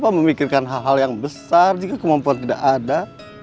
memikirkan hal hal yang besar jika kemampuan tidak ada